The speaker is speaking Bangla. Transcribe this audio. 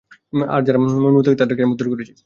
আর যারা মুমিন-মুত্তাকী ছিল তাদেরকে আমি উদ্ধার করেছি।